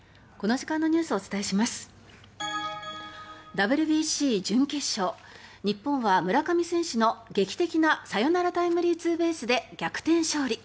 ＷＢＣ準決勝日本は村上選手の劇的なサヨナラタイムリーツーベースで逆転勝利。